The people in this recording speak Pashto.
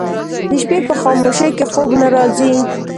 د شپې په خاموشۍ کې خوب نه راځي